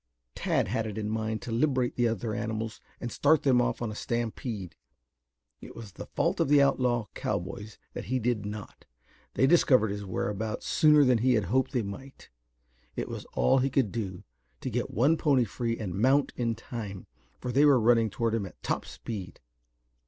Tad had it in mind to liberate the other animals and start them off on a stampede. It was the fault of the outlaw cowboys that he did not. They discovered his whereabouts sooner than he had hoped they might. It was all he could do to get one pony free and mount in time, for they were running toward him at top speed.